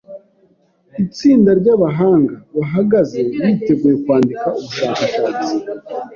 Itsinda ry'abahanga bahagaze, biteguye kwandika ubushakashatsi.